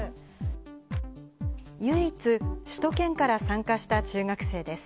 唯一、首都圏から参加した中学生です。